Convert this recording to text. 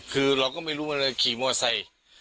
คือเราก็ไม่รู้อะไรขี่มอไซค์